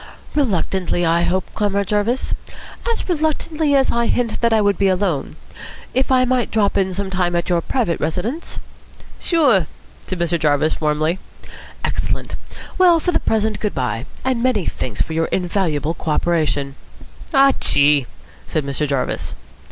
"Reluctantly, I hope, Comrade Jarvis. As reluctantly as I hint that I would be alone. If I might drop in some time at your private residence?" "Sure," said Mr. Jarvis warmly. "Excellent. Well, for the present, good bye. And many thanks for your invaluable co operation." "Aw chee!" said Mr. Jarvis.